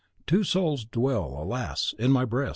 (Two souls dwell, alas! in my breast.)